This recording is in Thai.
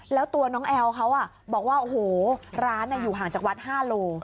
แล้วตัวน้องแอลเขาบอกว่าโอ้โหร้านอยู่ห่างจากวัด๕โล